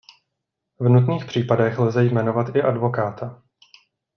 V nutných případech lze jmenovat i advokáta.